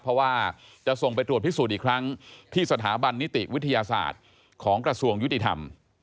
เพราะว่าจะส่งไปตรวจพิสูจน์อีกครั้งที่สถาบันนิติวิทยาศาสตร์ของกระทรวงยุติธรรม